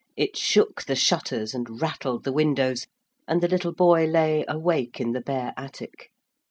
It shook the shutters and rattled the windows, and the little boy lay awake in the bare attic.